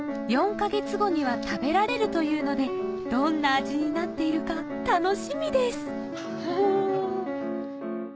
４か月後には食べられるというのでどんな味になっているか楽しみですフフフ。